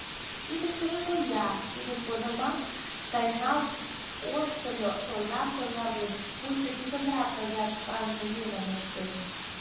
Кидыштыже – тоя, тидын годымак тайналт ошкыльо тоям тоялен, пуйто писынрак каяш шканже йӧным ыштен.